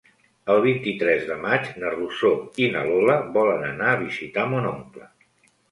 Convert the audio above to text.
El vint-i-tres de maig na Rosó i na Lola volen anar a visitar mon oncle.